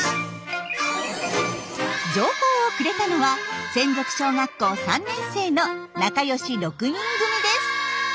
情報をくれたのは千束小学校３年生の仲良し６人組です。